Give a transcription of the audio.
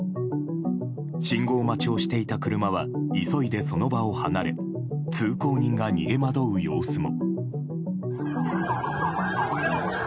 信号待ちをしていた車は急いでその場を離れ通行人が逃げ惑う様子も。